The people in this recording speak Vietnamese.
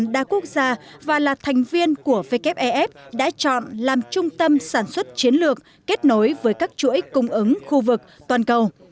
đa quốc gia và là thành viên của wef đã chọn làm trung tâm sản xuất chiến lược kết nối với các chuỗi cung ứng khu vực toàn cầu